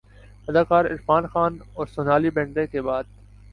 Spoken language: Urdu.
اداکار عرفان خان اورسونالی بیندرے کے بعد